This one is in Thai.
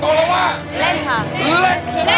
ตกลงมาว่าเล่นค่ะ